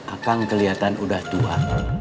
akang kelihatan udah tua